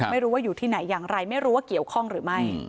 ไม่รู้ว่าอยู่ที่ไหนอย่างไรไม่รู้ว่าเกี่ยวข้องหรือไม่